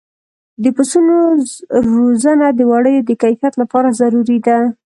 د پسونو روزنه د وړیو د کیفیت لپاره ضروري ده.